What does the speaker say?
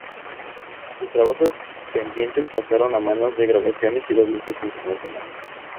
Sus trabajos pendientes pasaron a manos de Grabaciones y Doblajes Internacionales.